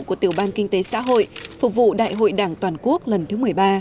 của tiểu ban kinh tế xã hội phục vụ đại hội đảng toàn quốc lần thứ một mươi ba